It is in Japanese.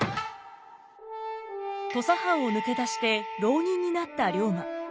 土佐藩を抜け出して浪人になった龍馬。